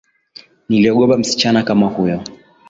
Niliogopa msichana kama huyo